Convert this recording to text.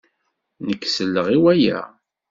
Nekk selleɣ i waya.